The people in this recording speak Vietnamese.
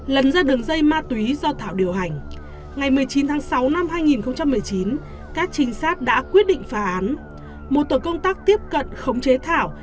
lần ra đường dây ma túy do thảo điều hành ngày một mươi chín tháng sáu năm hai nghìn một mươi chín các trinh sát đã quyết định phá án một tổ công tác tiếp cận khống chế thảo